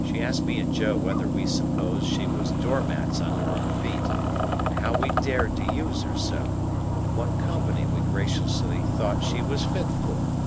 She asked me and Joe whether we supposed she was door mats under our feet, and how we dared to use her so, and what company we graciously thought she was fit for?